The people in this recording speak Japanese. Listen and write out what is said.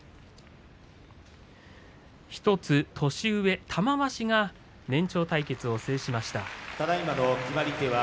１つ年上の玉鷲が年長対決を制しました。